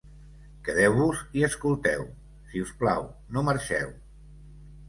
Quedeu-vos i escolteu; si us plau, no marxeu